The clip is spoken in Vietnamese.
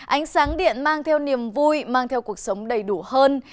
ánh sáng điện mang theo niềm vui mang theo cuộc sống đầy đủ hơn